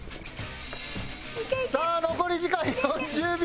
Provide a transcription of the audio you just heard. さあ残り時間４０秒。